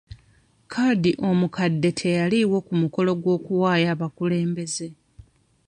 Kadhi omukadde teyaliiwo ku mukolo gw'okuwaayo obukulembeze.